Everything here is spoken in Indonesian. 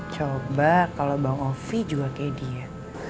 coba kalau bang ovi juga kayak diet